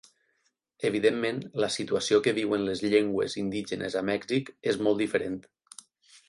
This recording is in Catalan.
Evidentment, la situació que viuen les llengües indígenes a Mèxic és molt diferent.